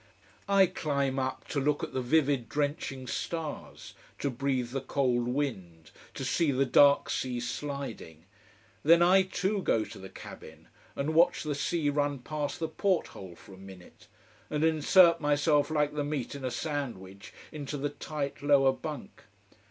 I climb up to look at the vivid, drenching stars, to breathe the cold wind, to see the dark sea sliding. Then I too go to the cabin, and watch the sea run past the porthole for a minute, and insert myself like the meat in a sandwich into the tight lower bunk.